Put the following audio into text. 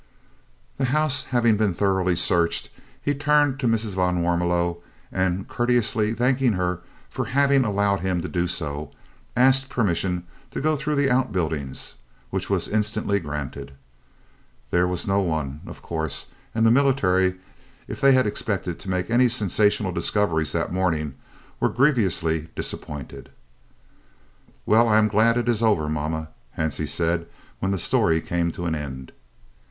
The house having been thoroughly searched, he turned to Mrs. van Warmelo and, courteously thanking her for having allowed him to do so, asked permission to go through the out buildings, which was instantly granted. There was no one, of course, and the military, if they had expected to make any sensational discoveries that morning, were grievously disappointed. "Well, I am glad it is over, mamma," Hansie said when the story came to an end.